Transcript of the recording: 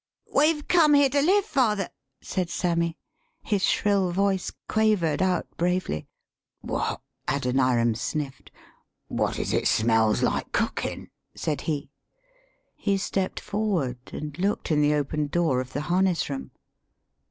"We've come here to live, father," said Sam my. His shrill voice quavered out bravely. "What" [Adoniram sniffed] " what is it smells like cookin'?" [said he.] He stepped for ward and looked in the open door of the harness room.